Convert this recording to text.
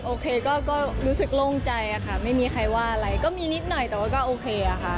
โอเคก็รู้สึกโล่งใจค่ะไม่มีใครว่าอะไรก็มีนิดหน่อยแต่ว่าก็โอเคอะค่ะ